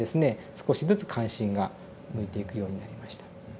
少しずつ関心が向いていくようになりました。